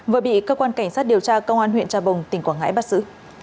vừa bị cơ quan cảnh sát điều tra công an huyện trà bồng tỉnh quảng ngãi bắt giữ